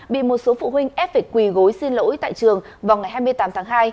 bị một số phụ huynh ép phải quỳ gối xin lỗi tại trường vào ngày hai mươi tám tháng hai